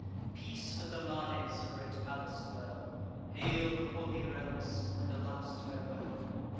Peace with the manes of great Pallas dwell! Hail, holy relics! and a last farewell!"